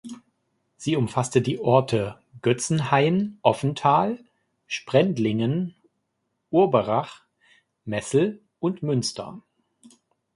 Sie umfasste die Orte Götzenhain, Offenthal, Sprendlingen, Urberach, Messel und Münster.